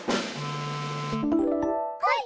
はい！